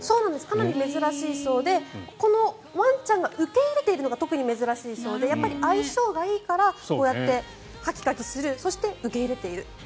かなり珍しいそうでこのワンちゃんが受け入れているのが特に珍しいそうでやっぱり相性がいいからこうやってカキカキするそして受け入れていると。